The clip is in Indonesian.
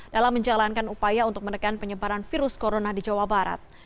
dalam menjalankan upaya untuk menekan penyebaran virus corona di jawa barat